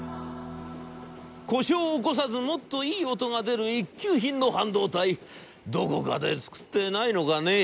「『故障を起こさずもっといい音が出る一級品の半導体どこかで作ってないのかねぇ』。